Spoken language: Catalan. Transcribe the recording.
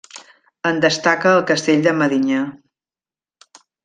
En destaca el Castell de Medinyà.